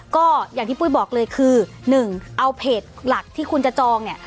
ก็อย่างที่ปุ้ยบอกเลยคือ๑เอาเพจหลักที่คุณจะจองเนี่ย